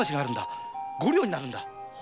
五両になるんだ